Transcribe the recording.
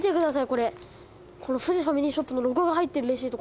これこのフジファミリーショップのロゴが入ってるレシート